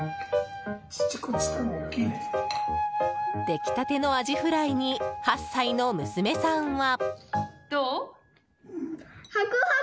出来立てのアジフライに８歳の娘さんは。